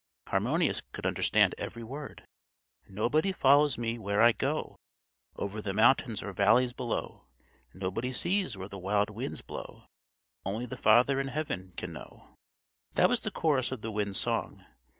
Harmonius could understand every word: "_Nobody follows me where I go, Over the mountains or valleys below; Nobody sees where the wild winds blow, Only the Father in Heaven can know_." That was the chorus of the wind's song.